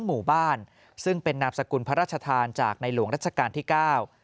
หมู่บ้านซึ่งเป็นนามสกุลพระราชทานจากในหลวงรัชกาลที่เก้า